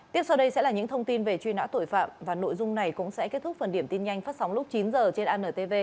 tiếp sau đây sẽ là những thông tin về truy nã tội phạm và nội dung này cũng sẽ kết thúc phần điểm tin nhanh phát sóng lúc chín h trên antv